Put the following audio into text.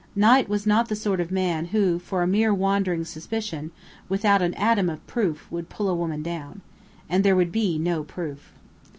Knight was not the sort of man who for a mere wandering suspicion, without an atom of proof, would pull a woman down. And there would be no proof.